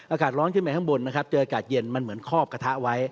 อากาศร้อนขึ้นไปข้างบนนะครับเจออากาศเย็นมันเหมือนคอบกระทะไว้